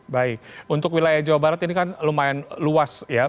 baik untuk wilayah jawa barat ini kan lumayan luas ya